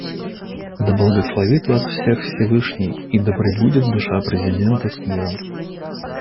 Да благословит вас всех Всевышний, и да пребудет душа президента с миром.